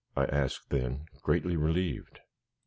I asked then, greatly relieved.